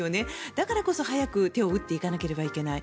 だからこそ、早く手を打っていかなければいけない。